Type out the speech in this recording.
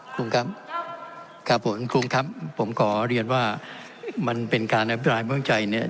ครูครับครับผมครูครับผมขอเรียนว่ามันเป็นการอภิปรายเมืองใจเนี่ย